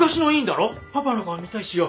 パパの顔見たいしよ。